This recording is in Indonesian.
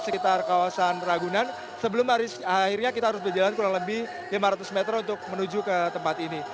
sekitar kawasan ragunan sebelum hari akhirnya kita harus berjalan kurang lebih lima ratus meter untuk menuju ke tempat ini